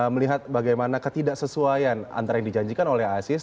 melihat bagaimana ketidaksesuaian antara yang dijanjikan oleh isis